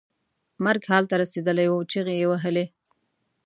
مرګ حال ته رسېدلی و چغې یې وهلې.